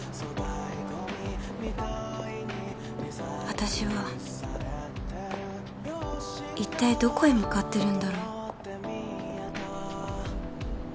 私は一体どこへ向かってるんだろう？